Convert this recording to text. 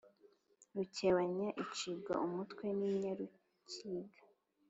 rukebanya icibwa umutwe n’inyarukiga